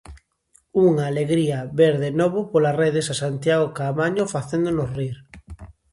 Unha alegría ver de novo polas redes a Santiago Caamaño facéndonos rir.